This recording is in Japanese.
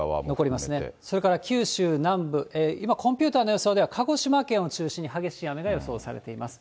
それから九州南部、今、コンピューターの予想では鹿児島県を中心に激しい雨が予想されています。